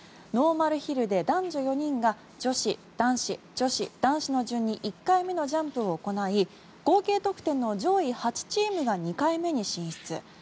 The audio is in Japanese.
ノーマルヒルで男女４人が女子、男子、女子、男子の順に１回目のジャンプを行い合計得点の上位８チームが２回目に進出。